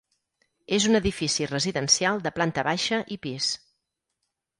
És un edifici residencial de planta baixa i pis.